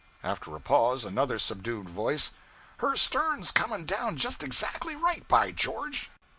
After a pause, another subdued voice 'Her stern's coming down just exactly right, by George!'